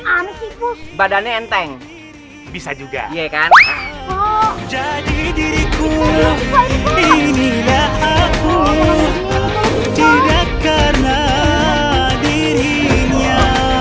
amex ikus badannya enteng bisa juga iya kan jadi diriku inilah aku tidak karena dirinya